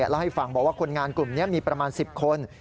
เล่าให้ฟังบอกว่าคนงานกลุ่มนี้มีประมาณ๑๐คน